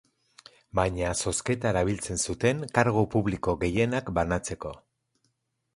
Baina zozketa erabiltzen zuten kargu publiko gehienak banatzeko.